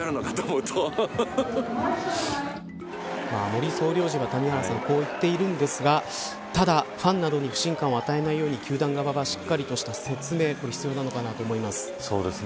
森総領事がこう言っているんですがただ、ファンなどに不信感を与えないように球団側はしっかりとした説明が必要かと思います。